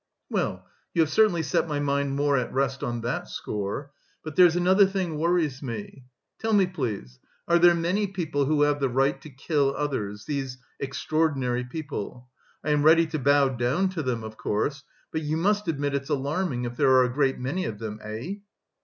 "Well, you have certainly set my mind more at rest on that score; but there's another thing worries me. Tell me, please, are there many people who have the right to kill others, these extraordinary people? I am ready to bow down to them, of course, but you must admit it's alarming if there are a great many of them, eh?"